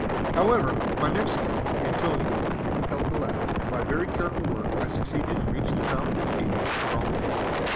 "However, my Mexican, Antonio, held the ladder, and by very careful work I succeeded in reaching the mouth of the cave and crawling in.